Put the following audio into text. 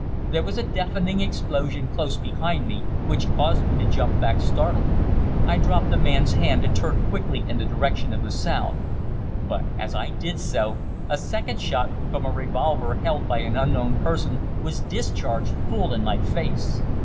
There was a deafening explosion close behind me, which caused me to jump back startled. I dropped the man's hand and turned quickly in the direction of the sound; but, as I did so, a second shot from a revolver held by an unknown person was discharged full in my face.